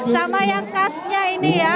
sama yang khasnya ini ya